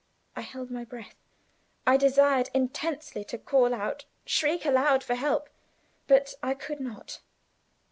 I held my breath; I desired intensely to call out, shriek aloud for help, but I could not.